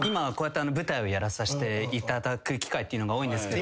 今舞台をさせてもらう機会っていうのが多いんですけど。